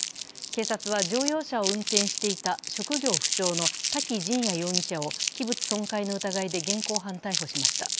警察は乗用車を運転していた職業不詳の高城仁也容疑者を器物損壊の疑いで現行犯逮捕しました。